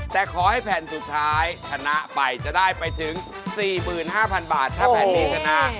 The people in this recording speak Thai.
แต่ขอให้แผ่นสุดท้ายชนะไปจะได้ไปถึง๔๕๐๐๐บาทถ้าแผ่นนี้ชนะ